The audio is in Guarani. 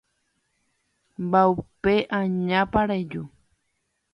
Mba'upe añápa reju